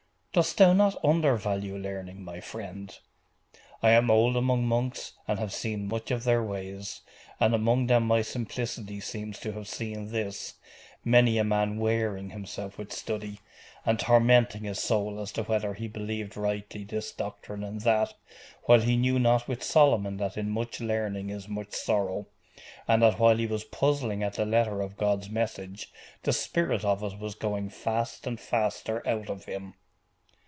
'Dost thou not undervalue learning, my friend?' 'I am old among monks, and have seen much of their ways; and among them my simplicity seems to have seen this many a man wearing himself with study, and tormenting his soul as to whether he believed rightly this doctrine and that, while he knew not with Solomon that in much learning is much sorrow, and that while he was puzzling at the letter of God's message, the spirit of it was going fast and faster out of him.